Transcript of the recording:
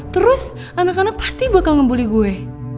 terus anak anak pasti bakal ngebully gue